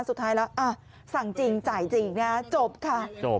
สุดท้ายละสั่งจริงจ่ายจริงนะจบค่ะ